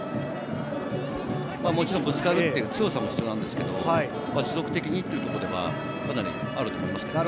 もちろんぶつかり、強さも必要なんですが、持続的にというところではかなりあると思います。